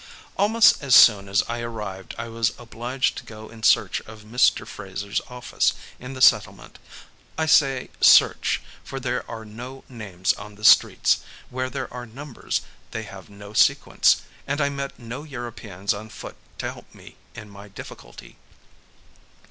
Almost as soon as I arrived I was obliged to go in search of Mr. Fraser's office in the settlement; I say search, for there are no names on the streets; where there are numbers they have no sequence, and I met no Europeans on foot to help me in my difficulty.